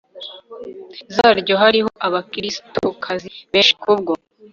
zaryo hariho Abakristokazi benshi kubwo